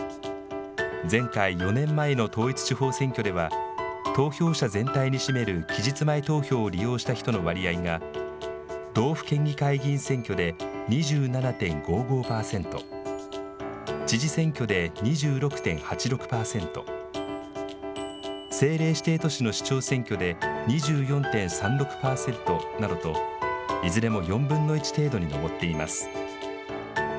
前回、４年前の統一地方選挙では投票者全体に占める期日前投票を利用した人の割合が道府県議会議員選挙で２７．５５％、知事選挙で２６．８６％、政令指定都市の市長選挙で２４．３６％などといずれも４分の１程度に上っています。